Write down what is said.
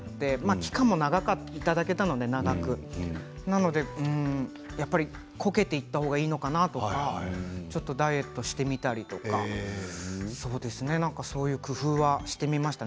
期間も長くいただけたのでこけていった方がいいのかなとかちょっとダイエットしてみたりとかそういう工夫はしてみましたね。